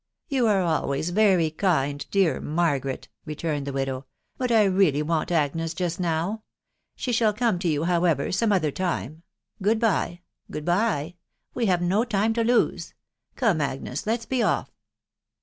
" You are always very kind, dear Margaret," returned the widow, " but I really want Agnes just now. ..• She shall come to you, however, some other time Good by ! goodV by !— we have no time to lose Come, Agnes, let's be off."